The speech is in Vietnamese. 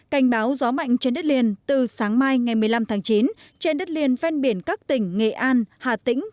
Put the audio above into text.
cảnh báo gió mạnh trên đất liền từ sáng mai ngày một mươi năm tháng chín trên đất liền ven biển các tỉnh nghệ an hà tĩnh